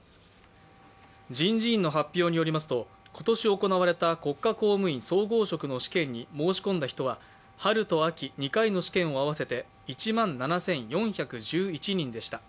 人事院の発表によりますと今年行われた国家公務員総合職の試験に申し込んだ人は春と秋２回の試験合わせて１万７４１１人でした。